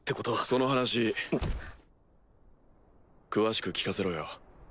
その話詳しく聞かせろよ。